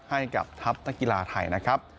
ให้กับทัพนักกีฬาไทยนะครับ